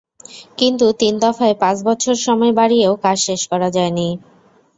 কিন্তু তিন দফায় পাঁচ বছর সময় বাড়িয়েও কাজ শেষ করা যায়নি।